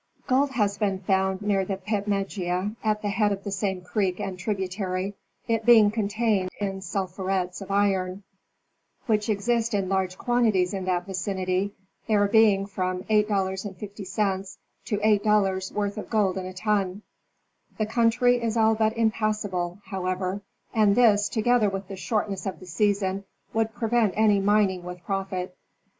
Gold has been found near the Pitmegea, at the head of the same creek and tributary, it being contained in sulphurets of iron, which exist in large quantities in that vicinity, there being from $3.50 to $8.00 worth of gold in a ton ; the country is all but impassable, however, and this, together with the shortness of the season, would prevent any mining with profit.